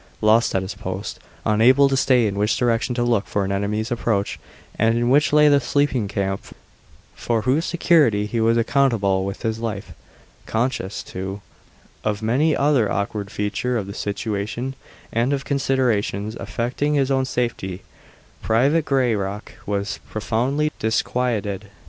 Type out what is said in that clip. Lost at his post unable to say in which direction to look for an enemy's approach, and in which lay the sleeping camp for whose security he was accountable with his life conscious, too, of many another awkward feature of the situation and of considerations affecting his own safety, Private Grayrock was profoundly disquieted.